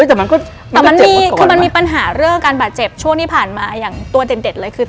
แต่มันมีปัญหาเรื่องการบาดเจ็บช่วงที่ผ่านมาอย่างตัวเด็ดเลยคือ